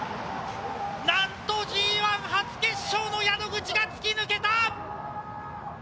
なんとＧ１初決勝の宿口が突き抜けた！